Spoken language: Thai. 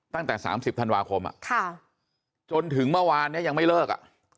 ตั้งแต่๓๐ธันวาคมจนถึงเมื่อวานนี้ยังไม่เลิก